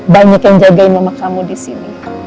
banyak yang jagain mama kamu di sini